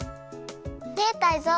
ねえタイゾウ。